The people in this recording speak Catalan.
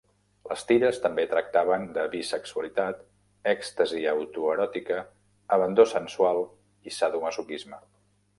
Les tires també tractaven de bisexualitat, èxtasi autoeròtica, abandó sensual i sadomasoquisme.